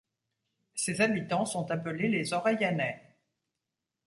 Ses habitants sont appelés les Aureilhanais.